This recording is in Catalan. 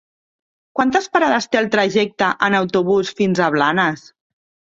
Quantes parades té el trajecte en autobús fins a Blanes?